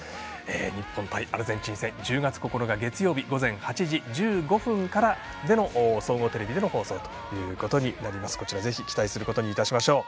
日本対アルゼンチン１０月９日月曜日午前８時１５分からの総合テレビの放送となります。